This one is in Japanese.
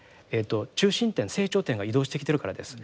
中心点成長点が移動してきてるからです。